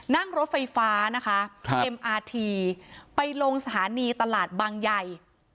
นั่งรถไฟฟ้านะคะเอ็มอาทีไปลงสถานีตลาดบางใหญ่